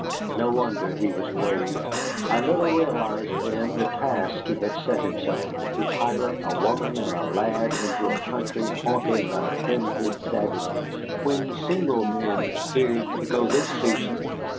No wonder he was grave. I little realized then the task he had set himself, to pilot a woman and a lad into a country haunted by frenzied savages, when single men feared to go this season.